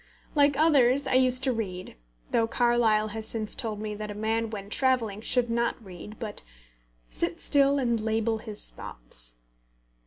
Like others, I used to read, though Carlyle has since told me that a man when travelling should not read, but "sit still and label his thoughts."